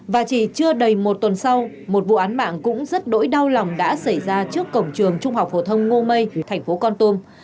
và chỉ chưa đầy một tuần sau một vụ án mạng cũng rất đỗi đau lòng đã xảy ra trước cổng trường trung học phổ thông ngô mây thành phố con tum